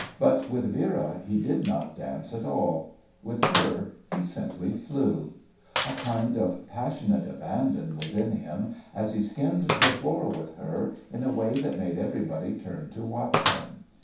But with Vera he did not dance at all; with her he simply flew. A kind of passionate abandon was in him as he skimmed the floor with her in a way that made everybody turn to watch them.